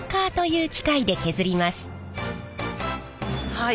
はい。